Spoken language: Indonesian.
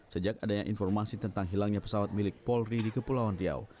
sejak adanya informasi tentang hilangnya pesawat milik polri di kepulauan riau